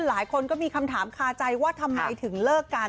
หลายคนก็มีคำถามคาใจว่าทำไมถึงเลิกกัน